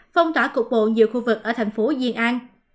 phong tỏa cục bộ nhiều khu vực ở thành phố di an